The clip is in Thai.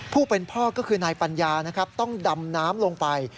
ผู้เป็นพ่อก็คือนายปัญญานะครับต้องดำน้ำลงไป